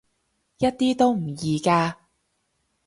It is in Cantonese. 一啲都唔易㗎